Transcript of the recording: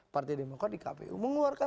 partai demokrat di kpu mengeluarkan